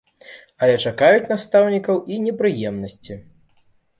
Але чакаюць настаўнікаў і непрыемнасці.